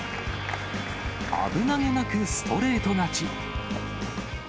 危なげなくストレート勝ち。